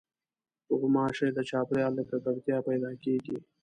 غوماشې د چاپېریال له ککړتیا پیدا کېږي.